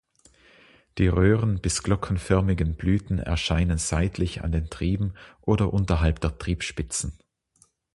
Die röhren- bis glockenförmigen Blüten erscheinen seitlich an den Trieben oder unterhalb der Triebspitzen.